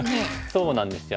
そうなんですよ。